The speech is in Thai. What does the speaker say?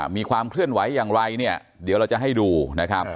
มีความเคลื่อนไหวอย่างไรเนี่ยเดี๋ยวเราจะให้ดูนะครับ